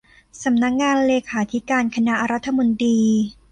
สำนักงานเลขาธิการคณะรัฐมนตรี